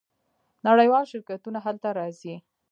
نړیوال شرکتونه هلته راځي.